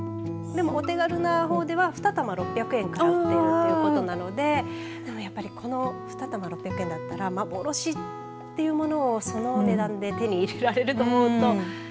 お手軽なほうでは２玉６００円からということなのでこの２玉６００円だったら幻というものを、その値段で手に入れられると思うと。